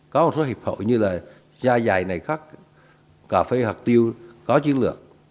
có một số hiệp hội như là gia giày này khác cà phê hạt tiêu có chiến lược